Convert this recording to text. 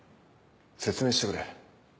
説明してくれ。